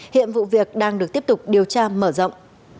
hiện vụ việc đang được tiếp tục điều tra mở rộng